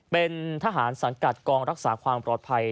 เป็นทหารสังกัดกองรักษาความปลอดภัย